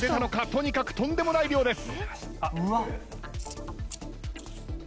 とにかくとんでもない量です。